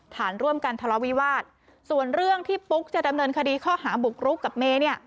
ฐานร่วมกันทะเลาวิวาสส่วนเรื่องที่ปุ๊กจะดำเนินคดีข้อหาบุกรุกกับเมย์เนี่ย